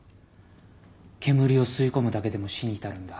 煙を吸い込むだけでも死に至るんだ。